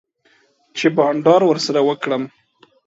چی بانډار ورسره وکړم